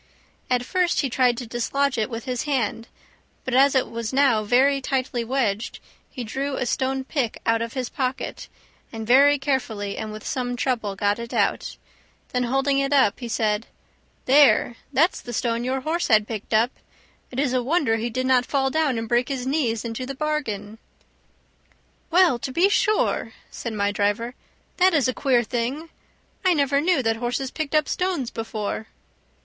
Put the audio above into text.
At first he tried to dislodge it with his hand, but as it was now very tightly wedged he drew a stone pick out of his pocket, and very carefully and with some trouble got it out. Then holding it up he said, "There, that's the stone your horse had picked up. It is a wonder he did not fall down and break his knees into the bargain!" "Well, to be sure!" said my driver; "that is a queer thing! I never knew that horses picked up stones before."